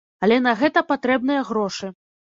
Але на гэта патрэбныя грошы.